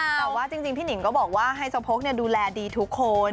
แต่ว่าจริงพี่นิ่งก็บอกว่าให้เจ้าโพกเนี่ยดูแลดีทุกคน